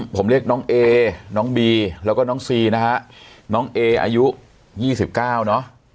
ผมเรียกน้องเอน้องบีแล้วก็น้องซีนะฮะน้องเออายุ๒๙เนอะ